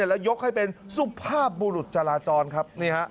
แล้วยกให้เป็นสุภาพบุรุษจราจรครับ